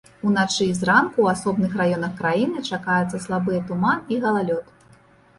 Уначы і зранку ў асобных раёнах краіны чакаюцца слабыя туман і галалёд.